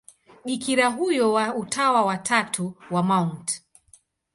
Bikira huyo wa Utawa wa Tatu wa Mt.